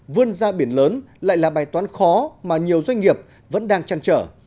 vươn ra biển lớn lại là bài toán khó mà nhiều doanh nghiệp vẫn đang chăn trở